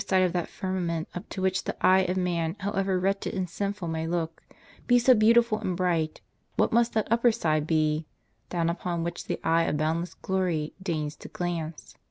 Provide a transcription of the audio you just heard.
the under side of that firmament up to which the eye of man, however wretched and sinful, may look, be so beautiful and bright, what must that upper side be, down upon whicli the eye of boundless Glory deigns to glance